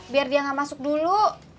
biar dia nggak masuk dulu